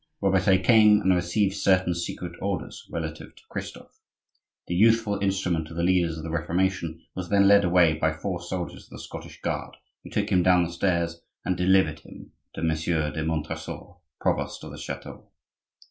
Robertet came and received certain secret orders relative to Christophe. The youthful instrument of the leaders of the Reformation was then led away by four soldiers of the Scottish guard, who took him down the stairs and delivered him to Monsieur de Montresor, provost of the chateau.